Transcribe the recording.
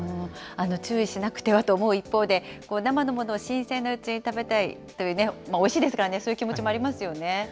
注意しなくてはと思う一方で、生のものを新鮮なうちに食べたいというね、おいしいですからね、そういう気持ちもありますよね。